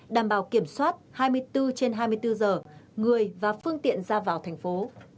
đảm bảo kiểm soát hai mươi bốn trên hai mươi bốn giờ người và phương tiện ra vào thành phố